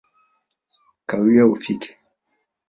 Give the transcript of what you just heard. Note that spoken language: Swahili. Kawia ufike